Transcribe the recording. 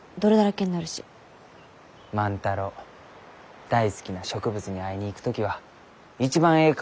万太郎大好きな植物に会いに行く時は一番えい